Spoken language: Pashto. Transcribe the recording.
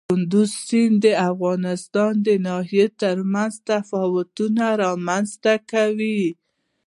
کندز سیند د افغانستان د ناحیو ترمنځ تفاوتونه رامنځ ته کوي.